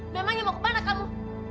memangnya mau kemana kamu